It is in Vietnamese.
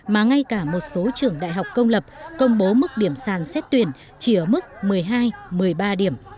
mà ngay cả một số trường đại học công lập công bố mức điểm sàn xét tuyển chỉ ở mức một mươi hai một mươi ba điểm